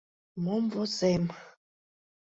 Мом возем?.